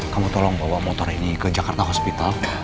kamu tolong bawa motor ini ke jakarta hospital